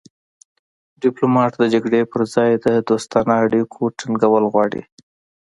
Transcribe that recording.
ډیپلومات د جګړې پر ځای د دوستانه اړیکو ټینګول غواړي